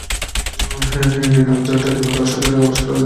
এই নির্ভীক টিমের দ্বারা শতাধিক অপারেশন পরিচালিত হয়।